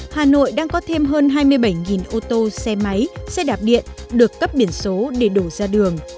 hà nội đang có thêm hơn hai mươi bảy ô tô xe máy xe đạp điện được cấp biển số để đổ ra đường